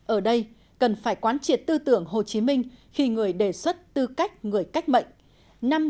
ở đây cần phải quán triệt tư tưởng hồ chí minh khi người đề xuất tư cách người cách mệnh